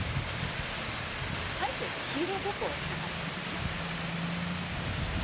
大成とヒーローごっこをしたかったんじゃない？